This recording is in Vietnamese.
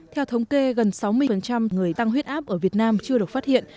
theo thống kê gần sáu mươi người tăng huyết áp ở việt nam chưa được phát hiện